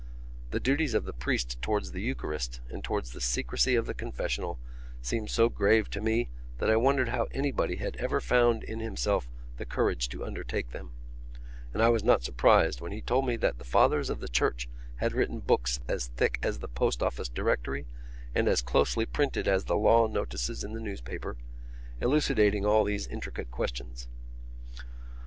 The duties of the priest towards the Eucharist and towards the secrecy of the confessional seemed so grave to me that I wondered how anybody had ever found in himself the courage to undertake them; and I was not surprised when he told me that the fathers of the Church had written books as thick as the Post Office Directory and as closely printed as the law notices in the newspaper, elucidating all these intricate questions.